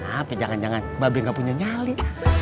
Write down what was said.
apa jangan jangan mbak be gak punya nyali